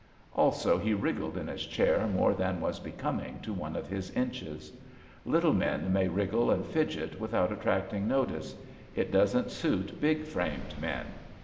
Also he wriggled in his chair more than was becoming to one of his inches. Lit tle men may wriggle and fidget without attracting notice. It doesn't suit big framed men.